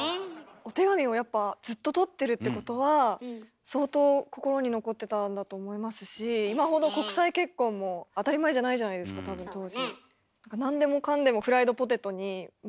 お手紙をやっぱずっと取ってるってことは相当心に残ってたんだと思いますし今ほど国際結婚も当たり前じゃないじゃないですか多分当時。